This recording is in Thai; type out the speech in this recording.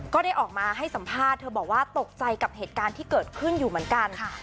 ก็ได้ออกมาให้สัมภาษณ์เธอบอกว่าตกใจกับเหตุการณ์ที่เกิดขึ้นอยู่เหมือนกัน